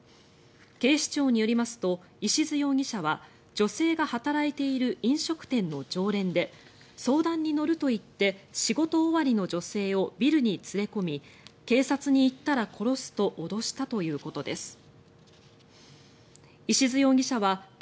警視庁によりますと石津容疑者は女性が働いている飲食店の常連で相談に乗ると言って仕事終わりの女性をビルに連れ込み警察に言ったら殺すと脅したということです。